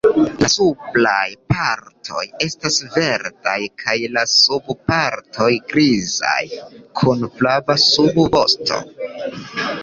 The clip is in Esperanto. La supraj partoj estas verdaj kaj la subaj partoj grizaj, kun flava subvosto.